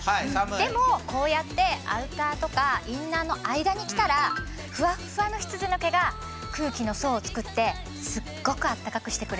でもこうやってアウターとかインナーの間に着たらフワッフワの羊の毛が空気の層を作ってすっごくあったかくしてくれるの。